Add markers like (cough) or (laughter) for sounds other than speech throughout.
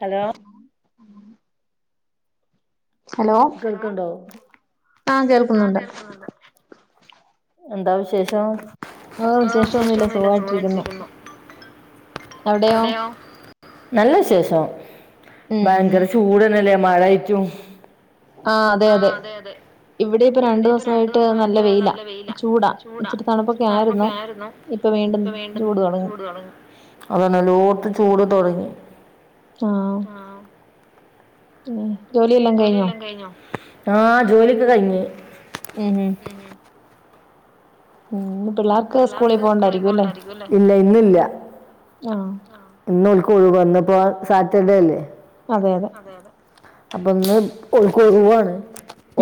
Hello hello ആ കേൾക്കുന്നുണ്ട് എന്താ വിശേഷം ആ വിശേഷമൊന്നുമില്ല സുഖമായിട്ടിരിക്കുന്നു അവിടെയോ നല്ല വിശേഷം ഭയങ്കര ചൂടന്നല്ലേ മഴയായിട്ടും ആഹ അതെ അതെ ഇവിടെ ഇപ്പ രണ്ടു ദിവസമായിട്ട് നല്ല വെയിലാ ചൂടാ ഇച്ചിരി തണുപ്പൊക്കെ ആയിരുന്ന് ഇപ്പൊ വീണ്ടും ചൂട് തുടങ്ങി ആ ഉം ജോലി എല്ലാം കഴിഞ്ഞോ ആ ജോലിക്കെ കഴിഞ്ഞു ഉം ഇല്ല ഇന്നില്ല ഇന്ന് ഓർക്കു ഒഴിവ ഇന്നിപ്പം സാറ്റ ർഡേ അല്ലെ അതെ അതെ അപ്പം ഇന്ന് ഓൾക്കു ഒഴിവാണ്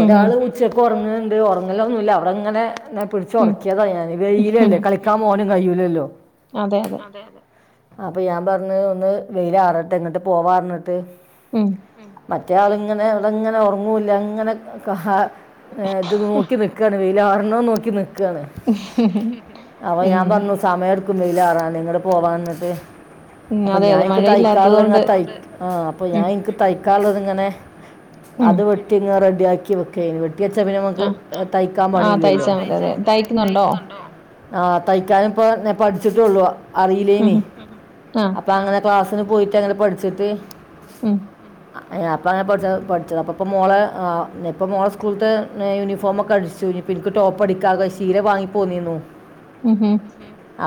ഒരാള് ഉച്ചക്ക് ഉറങ്ങി ഉണ്ട് ഉറങ്ങില്ലൊന്നുമില്ല അവിടെങ്ങനെ ഞാൻ പിടിച്ചു ഉറക്കിയതാ ഞാൻ വെയിലല്ലേ കളിക്കാൻ പോവാന് കഴിയൂല്ലല്ലോ അതെ അതെ അപ്പൊ ഞാൻ പറഞ്ഞു ഒന്ന് വെയിലാറട്ടേ എന്നിട്ട് പോവപറഞ്ഞിട്ട് മറ്റേ ആള ങ്ങനെ ഇവിടെങ്ങനെ ഉറങ്ങൂല്ല അങ്ങനെ ക ആ ഇത് നോക്കി നില്ക്കാന് വെയി ലാറെണോ നോക്കി നി അപ്പൊ ഞാൻ പറഞ്ഞു സമയം എടു വെയിലറാൻ നിങ്ങള് പോവാ എന്നിട്ട് അപ്പൊ ഞാൻക്ക് തൈക്കാനുളള ഇങ്ങനെ തൈ അപ്പൊ ഞാൻ എനിക്ക് തൈ കാലോനിങ്ങനെ അത് വെട്ടി ഇങ്ങ റെഡിയാ ക്കി വെക്കേനു വെട്ടി ച്ച നമക്ക് തയ്ക്കാൻ പണി യില്ലല്ലോ ആ തയ്ക്കാനുപ്പോ പഠിച്ചിട്ടുള്ളൂ അറില്ലേനി അപ്പൊ അങ്ങനെ ക്ലാസ് അ പോയിട്ട് അങ്ങനെ പഠിച്ചിട്ട് ഉം അപ്പങ്ങൻ പഠിച്ച പഠിച്ചത് അപ്പപോ മോളെ ഇപ്പ മോളെ സ്കൂളത്ത് യൂണിഫോമ ഒക്കെ അടിച്ചു എനിക്ക് ടോപ്പ് അടിക്കാ ശീല വാങ്ങിപ്പോന്നീന്നു ഉം ഹ്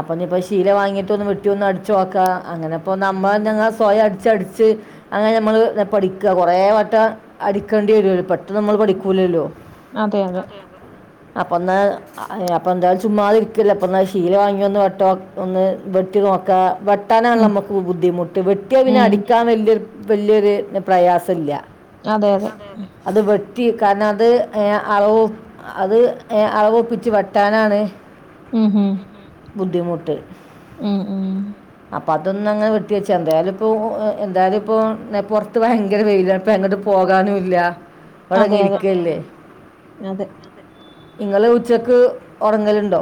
അപ്പ ഇനിയിപ്പോ ശീല വാങ്ങിയിട്ടൊന്ന് വെട്ടിയൊന്ന്‌ അടിച്ച് നോക്കാ അങ്ങനെപ്പോൾ നമ്മൾ ഞങ്ങൾ സ്വയ അടിച്ചടിച്ച് അങ്ങനെ നമ്മള് പഠിക്ക കൊറെവട്ടം അടിക്കേണ്ടി വരഉലൂഒരു പെ നമ്മൾ പഠിക്കൂലല്ലോ അപ്പൊ എന്നാ അപ്പൊ എന്തായാലും ചുമ്മാ ഇരിക്കല അപ്പാ ശീല വാങ്ങി ഒന്ന് വെട്ടോ ഒന്ന് വെട്ടി നോക്കാ വെട്ടാനാണ് നമുക്ക് ബുദ്ധിമുട്ട് വെട്ടിയ പിന്നെ അടിക്കാൻ വലിയൊ വലിയൊര് പ്രയാസില്ല അത് വെ കാരണം അത് ഏ അളവ് അത് ഏ അളവൊപ്പിച്ച് വെട്ടാനാണ് ഉം ഹ് ട്ട് ഉ അപ്പൾ അതൊന്ന അങ്ങ് വെട്ടി വെച്ചാ എന്തായാലും ഇപ്പോൾ എന്തായാലും ഇപ്പൊ പൊറത്ത് ഭയങ്കര വെയില ഇപ്പൊ എങ്ങോട്ട് പോകാനുംല്ല ഇവിടെങ്ഇരിക്കല്ലേ ഇങ്ങള് ഉച്ചക്ക് ഒറങ്ങലുണ്ടോ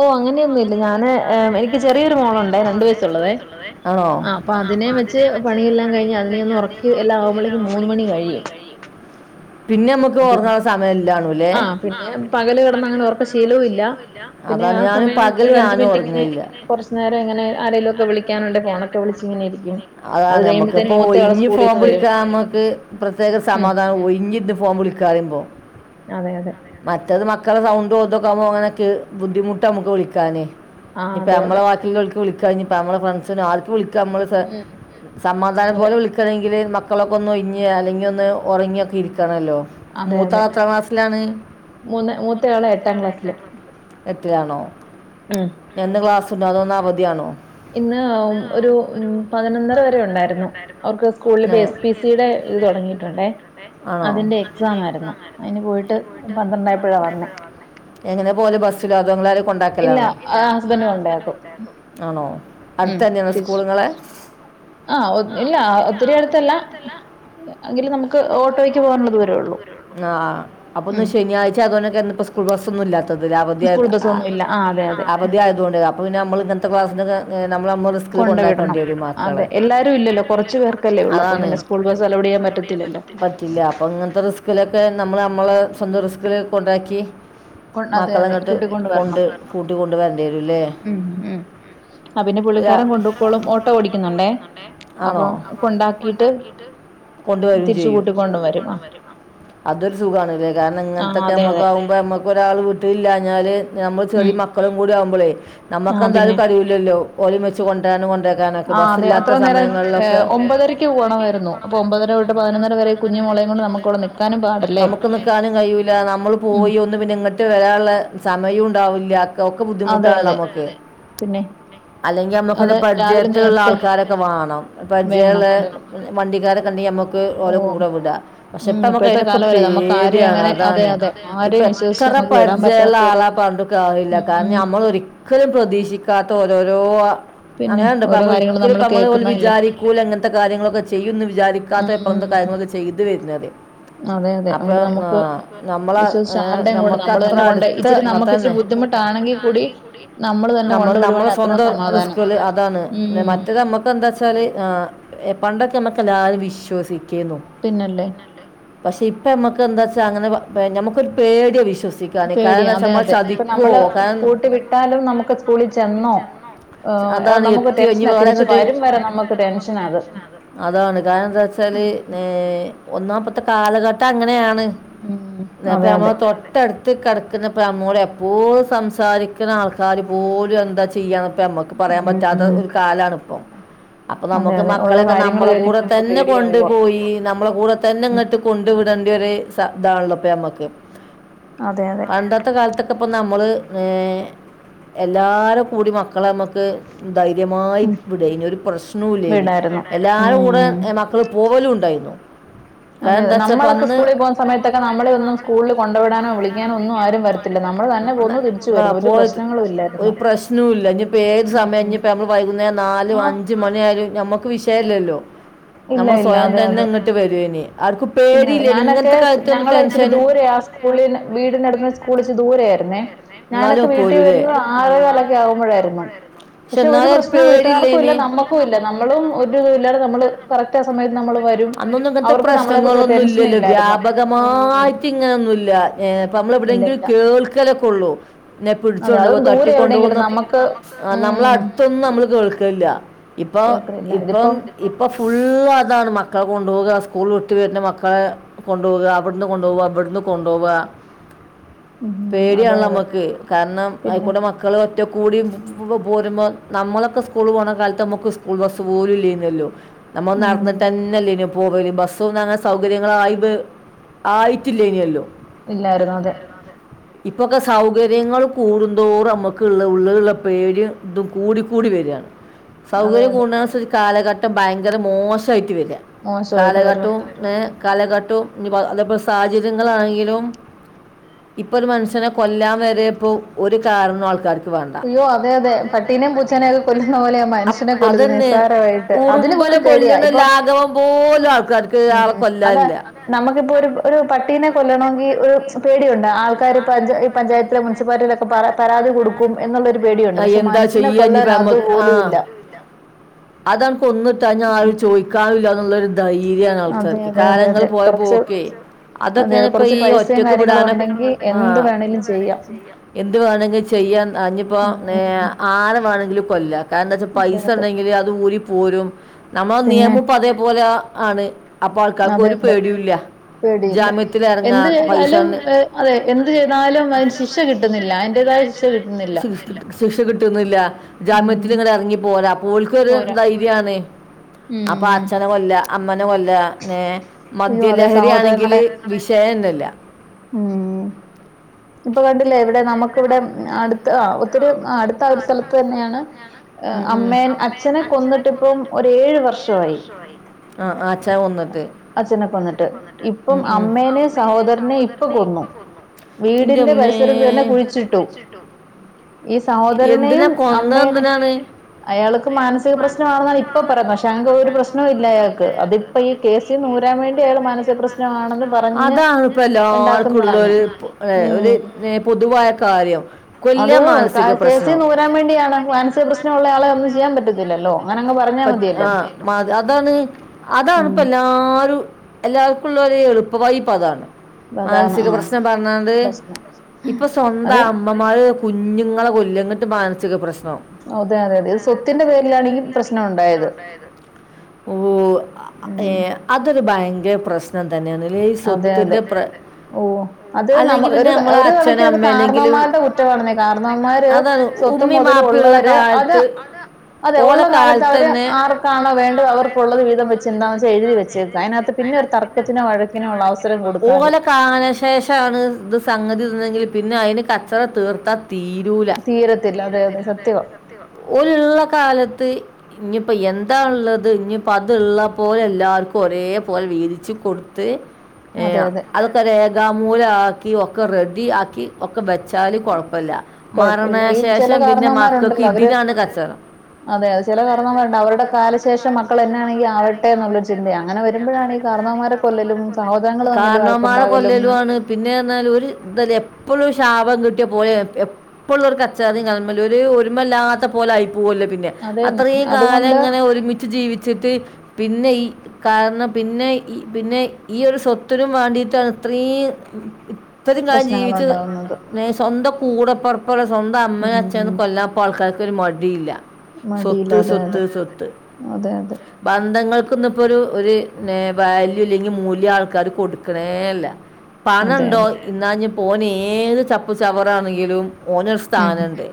ഓഹ അങ്ങനെയൊന്നുംല്ല ഞാന് എനിക്ക് ചെറിയൊരു മോണ ഉണ്ടേ രണ്ട വയസുള്ളത് ആ അപ്പൊ അതിനെ വെച്ച് പണിയെല്ല ണം കഴിഞ്ഞ് അതിനെയൊ ഉറക്കി എല്ലാ ആവുമ്പേക്ക് മൂന്ന മണി കഴിയും ആ പിന്നെ പകല് കിടന്ന് അങ്ങനെ ഉറക്ക ശീല ഇല്ല പിന്നെ ആ സമയം ഒരു അഞ്ച് മിനിറ്റ് ഇങ്ങനെ കുറച്ചു നേരം ഇങ്ങനെ ആരലുംക്കെ വിളിക്കാനുണ്ട് ഫോണൊക്കെ വിളിച്ച ഇങ്ങനെ ഇരിക്കും അത് കഴിയ്പ ചപ്പോ ഒഴിഞ്ഞു ഫോം വിളിക്കാൻ നമക്ക് പ്രത്യേക സമാധാനം ഒഴഞ്ഞി ഇരുന്ന് ഫോം വിളിക്കാമ്പോ മറ്റത് മക്കള സൗണ്ടുത്കൊ ഓ മോനെക്ബുദ്ധിമുട്ട നമുക്ക് വിളിക്കാന് ഇനിപ്പേ നമ്മളെ വാക്കിള്ളോൽക്ക് വിളി കഴിഞ്ഞപ്പ നമ്മ ഇപ്പ ഫ്രണ്ട്സിനോ ആർക്ക് വിള നമ്മള് സമാ അത്പോലെവിളിക്കാനെങ്കി ല് മക്കളൊെ ഒഴഞ്ഞ് അല്ലെങ്കിൽ ഒന്ന് ഉറങ്ങിയൊക്കെ ഇരിക്കണല്ലോ അതെ അതെ മൂന്ന് മൂത്തയാള് എട്ടാം ക്ലാസില് ൽ ആണെ എന്ന് ക്ലാസ് തുനതത് അവധിയാണോ ഇന്ന് ഒരു ഉ പതിനൊന്നര വരെ ഉണ്ടായിരുന്നു ഉണ്ടായിരുന്നു ഓൾക് ഇപ്പ എസ് പി സി ടെ ഇദ് തുടങിട്ടുണ്ട് ആണോ അതിന്റെ എക്സാം ആയിരുന്നു അയിന്ന് പോയിട്ട് പന്ത്രണ്ട് ആയപ്പോയാവന്ന് എങ്ങനെ പോലെ ബസിലോ അധോ നിങ്ങൾ ആരെങ്കിലും കൊണ്ടാക്കലാണോഇല്ല ഹസ്ബന്റ് കൊണ്ടാകും ആണോ അടുത്ത് തന്നെയാണൊ സ്കൂള് ഇങ്ങളെ ആ ഒ ഇല്ല ഒത്തിരി അടുത്തല്ല എങ്കിലും നമുക്ക് ക്ക് ഓട്ടോയ്ക്ക് പോവാനുള്ള ദൂരൊള്ളൂ ആ ആ അപ്പന്ന് ശനിയാഴ്ച അയതോണ്ടക്കെ ഇന്ന് പ്പോ സ്കൂൾ ബസൊന്നുല്ലാ ത്ത ത് അവധി ആയത് അ അവധിയായതോണ്ടെ അപ്പൊ പിന്നെ നമ്മൾ ഇങ്ങ ത്തെ ക്ലാസിന കെ നേ കൊണ്ട് വിടണം അതെ എല്ലാരും ഇല്ലല്ലോ കൊറച്ചു പേർക്കല്ലേ ഉള്ളൂ അപ്പൊ പിന്നെ സ്കൂൾ ബസ് അലോഡ് ചെയ്യാൻ പറ്റത്തില്ലല്ലോ കിലൊക്കെ നമ്മള് നമ്മളെ സ്വന്തം റിസ്കിൽ കൊണ്ടാക്കി കൊ അതെ അതെ കൂട്ടിക്കൊണ്ട് വരണം ഉം ഉ അ പിന്നെ പുള്ളിക്കാരൻ കൊണ്ടുക്കോളും ഓട്ടോ ഓടിക്കുന്നുണ്ടേ അപ്പം കൊണ്ടാക്കിട്ട് തിരിച്ച് കൂട്ടിക്കൊണ്ടും വരും അ അതൊരു സുഖാണ് ല്ലേ കാരണം ഇങ്ങൻത്തൊക്കെ നമ്മക്കാവുമ്പം നമ്മ ക്കൊരാൾ വീട്ടില് ല്ലാഞ്ഞാല് ഞമ്മൾ ചെറിയ മക്കളും കൂടി ആവുമ്പളേ നമ്മക്കെന്തായാലും കഴുയൂലല്ലോ ഓലിം വെച്ച് കൊണ്ടരാനും കൊ ആ അതെ അത്ര നേരം ഏ ഒമ്പതരക്ക് പോകണമായിരുന്നു അപ്പൊ ഒമ്പതര തൊട്ട് പതിനൊന്നര വരെ കുഞ്ഞു മോളെയും കൊണ്ട് നമുക്ക് ഇവിടെ നി നമുക്ക് നിക്കാനും കയൂല്ല നമ്മള് പോയി ഒന്ന് പിന്നെ ഇങ്ങട്ട് വരാനുള്ള സമയൂ ണ്ടാവില്ല ഒക്കെ ബുദ്ധിമുട്ടാണല്ലൊ നമക്ക് അല്ലെങ്കിൽ നമ്മുക്കന്നെ പരിചയത്തിലുള്ള ആൾക്കാരൊക്കെ വാണം പരിചയള്ള വണ്ടിക്കാരെക്കെണ്ടെങ്കിൽ നമ്മുക്ക് ഓരെ കൂടെ വിടാ പക്ഷെ ഇപ്പഅയിനൊക്കെ പേട്യാണ് ഇപ്പ എത്ര പരിചയള്ള ആളാ പറഞ്ഞിട്ടും കാര്യ കാരണം നമ്മൾ ഒരിക്കലും പ്രതീക്ഷിക്കാത്ത ഓരോ രോ അങ്ങനെണ്ട് ഇപ്പ നമ്മൾ ഒരിക്കലും നമ്മള് ഓൽ വിചാരിക്കൂല ഇങ്ങൻത്തെ കാര്യങ്ങളൊക്കെ ചെയ്യുംന്ന് വിചാരി ക്കാത്ത (unintelligible) കാര്യങ്ങളൊക്ക ചെയ്ത് വരുന്നത് അപ്പൊ ആ നമ്മള് നമ്മക്ക് അത്ര അടുത്ത് അതന്നെ നമ്മൾ നമ്മളെ സ്വന്തം റിസ്കില് അതാണ് പി മറ്റേ നമ്മക്ക് എന്താ വച്ചാല് ആ പണ്ടൊക്കെ നമ്മ എല്ലാരേം വിശ്വസി പിന്നല്ലേ പക്ഷെ ഇപ്പം ഞമ്മക്ക് എന്താ ച്ചാ അങ്ങനെ ഞമ്മക്കൊരു പേട്യ വി പേടിയ അതെ അതെ ഇപ്പൊ നമ്മള് കൂട്ടി വിട്ടാലും നമുക്ക് സ്കൂളിൽ ചെന്നോ നമുക്ക് ടെൻഷനാ തിരിച്ച് വരും വരെ നമുക്ക് ടെൻഷനാ അത് ത്തെ കാലഘട്ടം അങ്ങനെയാ ണ് ഇപ്പൊ നമ്മുടെ തൊട്ടടുത്തു കെ ഇപ്പൊ നമ്മോട് എപ്പോം സംസാരിക്കുന്ന ആൾക്കാാര് പോലും എന്താ ചെയ്യാന്ന് പ നമ്മക്ക് പറയാൻ പറ്റാത്ത ഒരു കാലാണ് ഇപ്പോ അപ്പൊ നമുക്ക് മക്കളൊക്കെ നമ്മളെ കൂടെ തന്നെ കൊണ്ടു പോയി നമ്മളെ കൂടെ തന്നെങ്ങട്ട് വിടേണ്ടി ഒര് സ ഇതാണല്ലോപ്പ നമ്മക്ക് പണ്ടത്തെ കാലത്തൊക്കെ ഇപ്പൊ നമ്മള് ഏം എല്ലാവാരും കൂടി മക്കളെ നമ്മക്ക് ധൈര്യമായി വിടേനി ഒരു പ്രശ്നവും ഇല്ലേനി എല്ലാരും കൂടെ മക്കൾ പോവലും ഉണ്ടായിരുന്നു അതെെ നമ്മളൊക്കെ സ്കൂളിൽ പോകുന്ന സമയത്തൊക്കെ നമ്മളെ ഒന്നും സ്കൂളിൽ കൊണ്ട് വിടാനോ വിളിക്കാനോ ഒന്നും ആരും വരത്തില്ല നമ്മൾ തന്നെ പോന്നു തിരിച്ചു വരുന്നു ഒരു പ്രശ്നങ്ങളും ഇല്ലായിരുന്നു ഉം ആ ക്ക് വിഷയല്ലല്ലോ നമ്മൾ സ്വയം തന്നെ ഇങ്ങിട്ട് വരൂവേനി പിന്നെല്ല ഞാനൊക്കെ സ് ഞങ്ങള് ഇച്ചിരി ദൂരെ ആ സ്കൂളി വീടിനടുത്ത് സ്കൂൾ ഇച്ചിരി ദൂരെ ആായിരുന്നേ ഞാനൊക്കെ വീട്ടിൽ വരുന്നത് ആറേ കാലൊക്കെ ആകുമ്പോഴായിരുന്നു പക്ഷെ ഒരു പ്രശ്നം വീട്ടുകാർക്കും ഇല്ല നമ്മുക്കും ഇല്ല നമ്മളും ഒരു ഇതും ഇല്ലാതെ നമ്മള് കറക്റ്റാ ആ സമയത് നമ്മൾ വരും അവർക്ക് നമ്മളെ കുറിച്ച് ന്നും ഇല്ലല്ലോ വ്യാപകമായിട്ട് ഇങ്ങനെന്നുമില്ല നമ്മൾ എവിടെയെങ്കിലും കേൾക്കലകൊള്ളൂ (unintelligible) പിന്നെ പിടിച്ചൊണ്ട് പോക തട്ടികൊണ്ടുപോകുന്നൊക്കെ നമ്മൾ അടുത്തൊന്നും നമ്മള് കേൾക്കലില്ല ഇപ്പൾ ഇപ്പം ഇപ്പം ഫുള്ള് അതാണ് മക്കൾ കൊണ്ടു പോവ സ്കൂള വിട്ട് വരുന്ന മക്കളെ കൊണ്ടുപോവുക അവിടുന്ന് കൊണ്ടുപോവ അവിന്ന് കൊണ്ടുപോവുക പേടിയാണല്ലോ നമ്മുക്ക് കാരണം അയ്ക്കൂടി മക്കൾ ഒറ്റ കൂടി മ്പോ പോരുമ്പോ നമ്മളൊക്കെ സ്കൂൾ പോകണ കാലത്ത് നമ്മുക്ക് സ്കൂൾ ബസ്സ് പോലും ഇല്യേനിയല്ലോ നമ്മൾ നടന്നിട്ടന്നെ ല്ലേനിയല്ലോ പോകല് ബസ്സ് ഒന്നും അങ്ങനെ സൗകര്യങ്ങളായി ബെ ആയിട്ടില്ലേനിയല്ലോ ഇപ്പൊക്കെ സൗകര്യങ്ങൾ കൂടുന്തോറും നമ്മക്ക്ള്ള ഉള്ളിലുള്ള പേര് ഇതു കൂടിക്കൂടി വെരാണ് സൗകര്യം കൂടുന്നെനനുസരിച്ച് കാലഘട്ട് ഇത് ഭയങ്കര മോശായിട്ട് വരും കാലഘട്ടവും (unintelligible) കാലഘട്ടവും ഉം അതേപോലെ സാഹചര്യങ്ങളാണെങ്കിലും ഇപ്പൊ ഒരു മനുഷ്യനെ കൊല്ലാൻ വരെ ഇപ്പോ ഒരു കാരണം ആൾക്കാർക്ക് യ്യോ അതെ അതെ പട്ടീനേം പൂച്ചനെയൊക്കെ കൊല്ലുന്ന പോലെ ആ മനുഷ്യനെ കൊല്ലുന്നെ നിസ്സാരവായിട്ട് അതിന് പോലും പേടിയാ ഇപ്പൊ ഉം അതാ നമുക്കിപ്പോ ഒരു ഒരു പട്ടീനെ കൊല്ലണോങ്കി ഒരു സ് പേടിയുണ്ട് ആൾക് ക്കാര് പഞ്ചായത് ഈ പഞ്ചായത്തിലോ മുനിസിപ്പാലിറ്റിയിലൊക്കെ പര പരാതി കൊടുക്കു ക്കും എന്നുള്ളൊരു പേടിയുണ്ട് പക്ഷെ മനുഷ്യനെ കൊല്ലാൻ അതുപോലും ഇല്ല കഴിഞ്ഞാതാരും ചോദിക്കാനില്ലാന്നുള്ളൊരു ത് ഭീതിയാണ് ആൾക്കാർക്ക് കാലങ്ങള് പോയ പോക്കേ അതൊക്കെയാണ് ഇപ്പൊ ഈ ഒറ്റക്ക് വിടാനും ആ എന്ത് വേണേലും ചെയ്യാം എന്ത് വേണേങ്കി ചെയ്യാം ആ ഇഞ്ഞിപ്പോ നേ ആരെ വേണേങ്കിലും കൊല്ലാ കാരണച്ച പൈസ ഇണ്ടെങ്കില് അത് ഊരി പോരും നമ്മ നിയമിപ്പോ അതേപോലെ ആണ്. അപ്പോ ആൾക്കാർക്ക് ഒരു പേടിയൂല്ലാ ജാമ്യത്തില് ഇറങ്ങാ പൈസാന്ന് അതെ എന്ത് ചെയ്താലും അതിന് ശിക്ഷ കിട്ടുന്നില്ല അതിന്റേതായ ശിക്ഷ കിട്ടുന്നില്ല. ശിക്ഷ കിട്ടുന്നില്ലാ. ജാമ്യത്തില് ഇങ്ങട് ഇറങ്ങി പോരാ ഓൽക്കൊരു ധൈര്യാന്നേ അപ്പോ അച്ഛനെ കൊല്ലാ അമ്മനേ കൊല്ലാ നേ മദ്യ ലഹരി ആണെങ്കില് വിഷയയൊന്നില്ല. ഉം ഇപ്പോ കണ്ടില്ലേ ഇവിടെ നമു ക് ഇവിടെ അടുത്ത ആ ഒത്തിരു ആ അടുത്താഴ്ച സ്ഥലത്തു തന്നെയാണ് ഉം ഉം അമ്മേൻ അച്ഛനേ കൊന്നിട്ട് ഇപ്പം ഒരു ഏഴ് വർഷവായി ആ ആ അച്ഛനെ കൊന്നിട്ട് അച്ഛനെ കൊന്നിട്ട് ഉം ഉം ഇപ്പം അമ്മേനേം സഹോദര ഇപ്പ കൊന്നു വീടിന്റെ പരിസരത്ത് തന്നെ കുഴിച്ചിട്ടു. ഈ സഹോദരനെയും അമ്മേനെ അയാൾക്ക് മാനസിക പ്രശ്നമാണെന്നാണ് ഇപ്പ പറയുന്നെ പക്ഷേ അങ്ങ്ക്ക്‌ ഒരു പ്രശ്നവും ഇല്ല അയാൾക്ക് അതിപ്പ ഈ കേസിന് ഊരാൻ വേണ്ടി അയാള് മാനസിക പ്രശ്നമാണെന്ന് പറഞ്ഞ് കുള്ളൊരു ഏ ഒരു ഏ പൊതുവായ കാര്യം അതോ കേസീന്ന് ഊരാൻ വേണ്ടിയാണോ മാനസിക പ്രശ്നൊള്ള ആളെ ഒന്നും ചെയ്യാൻ പറ്റത്തില്ലല്ലോ ആ അതാണ് അതാണ് ഇപ്പോ എല്ലാവരും എല്ലാവർക്കും ഉള്ള എളുപ്പ (unintelligible) മാനസിക പ്രശനം പറഞ്ഞാല് ഇപ്പം സ്വന്തം അമ്മമാര് കുഞ്ഞുങ്ങളെ കൊല്ല ന്നിട്ട് മാനസിക പ്രശ്നം അതെ അതെ അതെ സ്വത്തിന്റെ പേരിലാണെങ്കി പ്രശ്ന ഓ ഏ അതൊരു ഭയ (unintelligible) പ്രശ്നം അതെ അതെ ഓ അത് നമ്മ ഒരു ഒരു കണക്കി അത് കാർണവമാരുടെ കുറ്റമാണെന്നേ കാർണവമാര് സ്വത്തും മുതലും ഉള്ളവര് അത് അത് ഉള്ള കാലത്ത് ഇവര് ആർക്കാണോ വേണ്ടത് അവർക്കുള്ളത് വീതം വെച്ച് എന്താന്ന് വെച്ചാ എഴുതി വെച്ചേക്കും അതിനകത്ത് പിന്നെ ഒരു തർക്കത്തിനോ വഴക്ക് ഓലെ കാലശേഷാണ് ഇത് സംഗതി ഇത് ന്നെങ്കിൽ പിന്നെ അതിന് കച്ചറ തീർത്താ തീരൂല തീരത്തില്ല അതെ അതെ സത്യവ ഓല്ള്ള കാലത്ത് ഇനിയിപ്പോ എന്താള്ളത് ഇനിയിപ്പോ അത്ള്ള പോലെ എല്ലാർക്കും ഒരേ പോലെ വീതിച്ച് കൊടുത്ത് ഏ അതൊക്കെ രേഖാമൂലം ആക്കി ഒക്കെ റെഡ ടി ആക്കി ഒക്കെ ബച്ച് വച്ചാല് കൊഴപ്പില്ല മരണ ശേഷം പിന്നെ മക്കൾക്ക് ഇതിനാണ് കച്ചറ അതെ ചില കാരണോമാരുണ്ട് അവരുടെ കാലശേഷം മക്കൾ എന്നാണെങ്കിൽ ആവട്ടെ ന്നുള്ള ചിന്തയാ അങ്ങനെ വരുമ്പോയാണ് കാരണവമാര കൊല്ലലും കാരണോമാരെ കൊല്ലലോണ് പിന്നെ അർഞ്ഞാൽ ഒരു എപ്പഴും ശാപം കിട്ടിയ പോലെ എപ്പോഴും ഒരു കച്ചറയും കലമലും ഒരു ഒരുമ മല്ലാത്ത പോലെയി പോവൂല്ല പിന്നെ അത്രയും കാലം ഇങ്ങനെ ഒരുമിച്ച് ജീവിച്ചിട്ട് പിന്നെ ഈ കാരണം പിന്നെ ഇ പിന്നെ ഈ ഒരു സ്വത്തിനും വാണ്ടിട്ടാണ് ഇത്രീം ഇത്രയും കാലം ജീവിച്ചത് ഏ സ്വന്തം കൂടെപ്പറപ്പാളെ സ്വന്തം അമ്മയും അച്ചയും കൊല്ലാപ്പോ ആൾക്കാർക്ക് ഒരു മടിയില്ല സ്വത്ത് സ്വത്ത് സ്വത്ത് ബന്ധങ്ങൾ കൊന്നും ഇപ്പോരു വാല്യു ഇല്ലെങ്കിൽ മൂല്യം ആൾക്കാര് കൊടുക്കണേ ല്ല പണോണ്ടോ ഇാന്നഞ് ഓന് ഏത് ചപ്പ് ചവറന്നെങ്കിലും ഓനൊരുസ്ഥാനുണ്ട്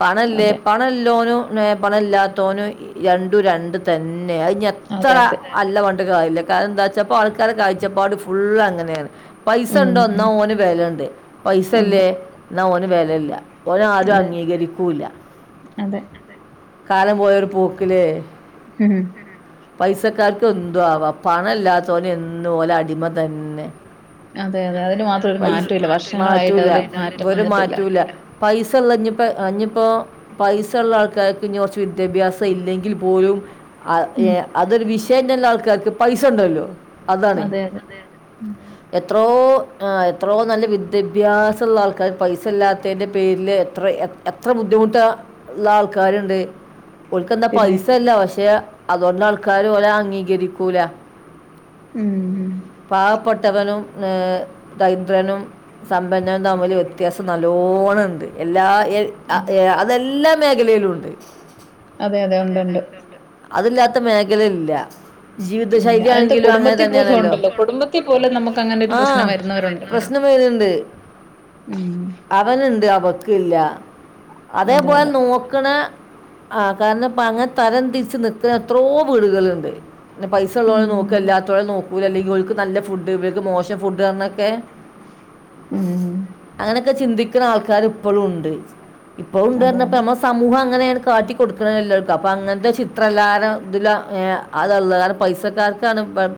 പണം ഇല്ലേ പണം ഇല്ലോനു നെ പണം ഇല്ലാതോന്നും രണ്ടു രണ്ട് ത ന്നെ അങഞ് ഇ എത്ര അല്ലപഞ്ഞിട് കയില്ല കാരണന്താ ച്ചപ്പോ ആൾക്കാര് കാഴ്ചപ്പാട് ഫുള് അങ്ങനെണ് പൈസ ണ്ടോ എന്നാ ഓന് വെലൊണ്ട് പൈസല്ലേ എന്ന ഓ വെലല്ല ഓനരും അംഗീകരിക്കൂല്ല കാലം പോയരു പൂക്കിലേ പൈസക്കാർക്ക് എന്തു ആവാ പണല്ലാത്തവോനെ എന്നും ഓല അടിമ തന്നെ അതെ അതെ അതിന് മാത്രരു മാറ്റവില്ല വർഷങ്ങളാട്ട് അതിലൊരു മാറ്റം വന്നിട്ടില്ല പൈസ ള്ളഞ്ഞിപ്പോ അഞ്ഞിപ്പോ പൈസ ള്ള ആൾക്ക കുറച്ച് വിദ്യാഭ്യാസം ഇല്ലെങ്കിൽ പോലും ആഹ് ഏഹ് അതൊരു വിഷ് (unintelligible) ആൾക്കാർക്ക് പൈസ ഇണ്ടല്ലോ അതാണ് എത്രോ ആഹ് എത്രോ നല്ല വിദ്യാഭ്യാസം ഉള്ള ആൾക്കാര് പൈസ ഇല്ലാത്തന്റെ പേരില് എത്ര എത്ര ബുദ്ധിമുട്ട ഉള്ള ആൾക്കാരും (unintelligible) ഉൾക്ക് എന്താ പൈസ അല്ല പക്ഷെ അതുകൊണ്ട് ആൾക്കാര് ഓലെ അംഗീകരിക്കൂല പാവപ്പെട് ത്തവനും ദരിദ്രനും സമ്പന്നനും തമ്മില് വ്യത്യാസം നല്ലോണം ഉണ്ട് എല്ലാ ഏഹ് ആഹ് ഏഹ് അതെല്ലാം മേഖലയിലുണ്ട് അതെ അതെ ഉണ്ട് ഉണ്ട് അതില്ലാത്ത മേഖല ഇല്ല ജീവിത ശൈലി ആണെങ്കിലും അങ്ങനെ തന്നെയാണല്ലോ ആഹ് പ്രശ്നം വരുന്നുണ്ട് അവനുണ്ട് അവക്ക് ഇല്ല അതേപോലെന്നെ നോക്കണ ആഹ് കാരണം ഇപ്പ അങ്ങനെ തരം തിരിച്ച് നിക്കണ എത്രോ വീടുകളുണ്ട് പൈസ ഉള്ളോനെ നോക്ക അല്ലാതോര നോക് (unintelligible) അല്ലെങ്കിൽ ഓൾക്ക് നല്ല ഫുഡ് ഇവക്ക് മോശം ഫുഡ് ആന്നൊക്കെ അങ്ങനൊക്കെ ചിന്തിക് (unintelligible) ആൾക്കാര് ഇപ്പോളും ഉണ്ട് ഇപ്പൊ ഉണ്ട് അറിഞ്ഞപ്പോ നമ്മ സമൂഹ അങ്ങനെയാണ് കാട്ടികൊടുക്കണ എല്ലർക്കും അപ്പൊ അങ്ങനത്തെ ചിത്രം എല്ലാര ഇതില് ഏഹ് (unintelligible) കാരണം പൈസക്കാർക്കാണ് ഇബ